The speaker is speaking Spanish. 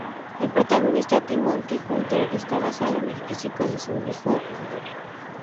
El protagonista, Timothy Hunter, está basado en el físico de su hijo mayor.